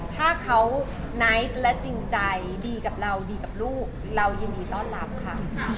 ถ้าเขาไนท์และจริงใจดีกับเราดีกับลูกเรายินดีต้อนรับค่ะ